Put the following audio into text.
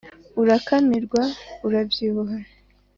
Urakamirwa urabyibuha